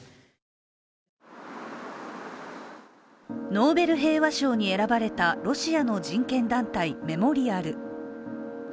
ノーベル平和賞に選ばれたロシアの人権団体、メモリアル。